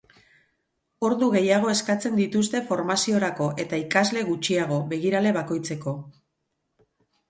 Ordu gehiago eskatzen dituzte formaziorako eta ikasle gutxiago, begirale bakoitzeko.